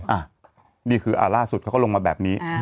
อ่ะนี่คือล่าสุดเขาก็ลงมาแบบนี้